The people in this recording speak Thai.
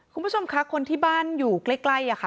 คุณผู้ชมคะคนที่บ้านอยู่ใกล้ค่ะ